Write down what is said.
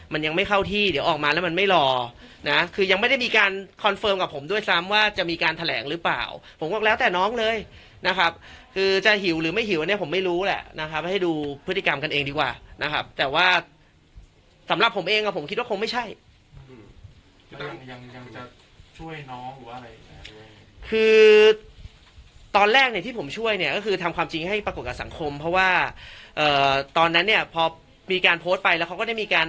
มันยังไม่เข้าที่เดี๋ยวออกมาแล้วมันไม่รอนะฮะคือยังไม่ได้มีการคอนเฟิร์มกับผมด้วยซ้ำว่าจะมีการแถลงหรือเปล่าผมว่าแล้วแต่น้องเลยนะครับคือจะหิวหรือไม่หิวอันเนี้ยผมไม่รู้แหละนะครับให้ดูพฤติกรรมกันเองดีกว่านะครับแต่ว่าสำหรับผมเองอะผมคิดว่าคงไม่ใช่อืมยังยังจะช่วยน้องหรื